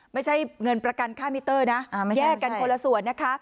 ไม่ใช่เงินประกันค่ามิเตอร์นะแยกกันคนละส่วนนะคะ